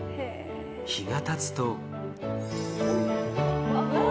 日がたつと。